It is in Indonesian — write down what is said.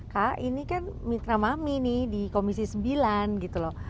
kak ini kan mitra mami nih di komisi sembilan gitu loh